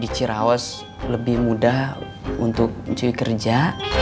di ciraos lebih mudah untuk cuy kerja